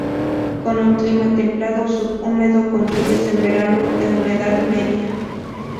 Con un clima Templado subhúmedo con lluvias en verano, de humedad media.